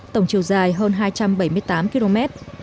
tổng chiều dài hơn hai trăm bảy mươi tám km